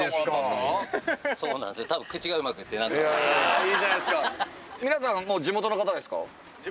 あいいじゃないですか。